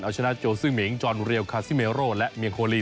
เอาชนะโจซื่อหมิงจอนเรียลคาซิเมโร่และเมียโคลี